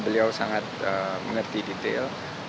beliau sangat mengerti detail